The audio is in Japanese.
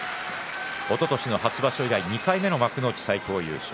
おととしの初場所以来２回目の幕内最高優勝。